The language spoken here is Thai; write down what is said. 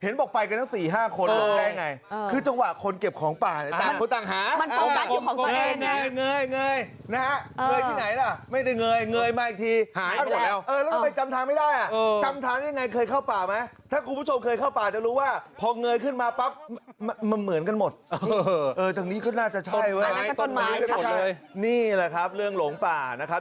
นี่แหละครับเรื่องหลงป่านะครับ